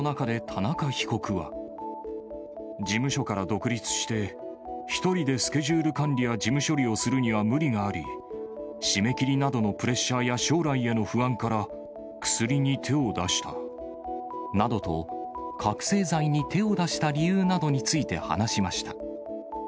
事務所から独立して、１人でスケジュール管理や事務処理をするには無理があり、締め切りなどのプレッシャーや将来への不安から、薬に手を出した。などと、覚醒剤に手を出した理由などについて話しました。